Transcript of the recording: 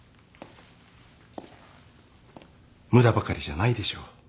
無駄ばかりじゃないでしょう